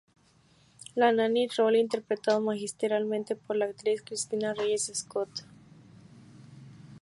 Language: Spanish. La Nanny, rol interpretado magistralmente por la actriz Cristina Reyes-Scott.